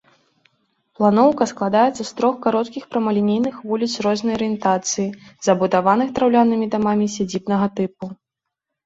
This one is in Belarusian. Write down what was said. Планоўка складаецца з трох кароткіх прамалінейных вуліц рознай арыентацыі, забудаваных драўлянымі дамамі сядзібнага тыпу.